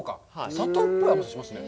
砂糖っぽい甘さしますね。